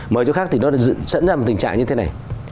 mời chỗ khác thì nó dẫn ra một tình trạng như thế này